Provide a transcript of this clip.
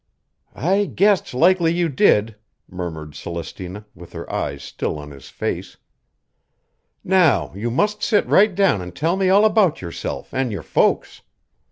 "I guessed likely you did," murmured Celestina, with her eyes still on his face. "Now you must sit right down an' tell me all about yourself an' your folks.